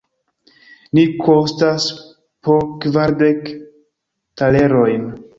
Ni kostas po kvardek talerojn!